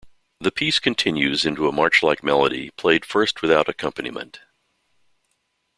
The piece continues into a march-like melody played first without accompaniment.